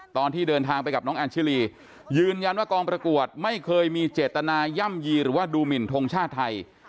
ตอนที่เดินทางไปกับน้องแอนชิลียืนยันว่ากองประกวดไม่เคยมีเจตนาย่ำยีหรือว่าดูหมินทงชาติไทย